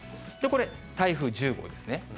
これ、台風１０号ですね。